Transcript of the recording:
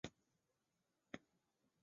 乾隆十三年戊辰科一甲第三名进士。